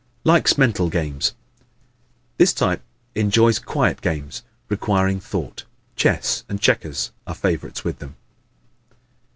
Likes Mental Games ¶ This type enjoys quiet games requiring thought. Chess and checkers are favorites with them.